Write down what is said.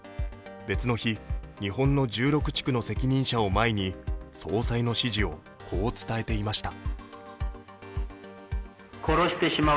別の日、日本の１６地区の責任者を前に総裁の指示をこう伝えていました。